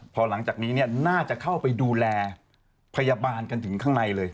พอหลังจากนี้น่าจะเข้าไปดูแลพยาบาลกันถึงข้างในเลย